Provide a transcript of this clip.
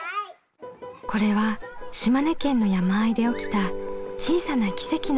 これは島根県の山あいで起きた小さな奇跡の物語。